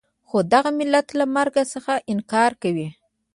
خو دغه ملت له مرګ څخه انکار کوي.